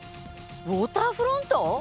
ウォーターフロント？